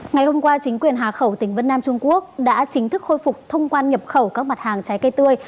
ngày hôm qua chính quyền hà khẩu tỉnh vân nam trung quốc đã chính thức khôi phục thông quan nhập khẩu các mặt hàng trái cây tươi